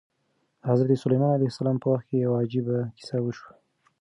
د حضرت سلیمان علیه السلام په وخت کې یوه عجیبه کیسه وشوه.